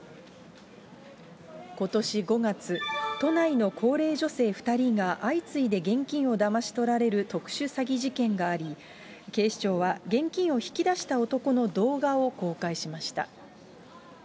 ことし５月、都内の高齢女性２人が相次いで現金をだまし取られる特殊詐欺事件があり、警視庁は現金を引き出した男の動画を公開しました。